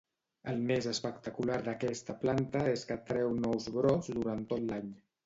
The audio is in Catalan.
El més espectacular d'aquesta planta és que treu nous brots durant tot l'any.